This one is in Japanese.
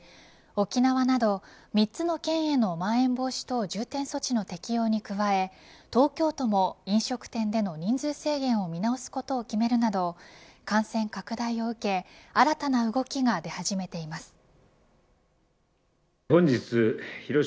沖縄など３つの県へのまん延防止等重点措置の適用に加え東京都も飲食店での人数制限を見直すことを決めるなど感染拡大を受け新たな動きが出始めています。